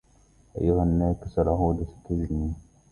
أيها الناكث العهود ستجني